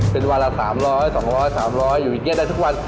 เป็นวันละ๓๐๐๒๐๐๓๐๐อยู่อย่างนี้ได้ทุกวัน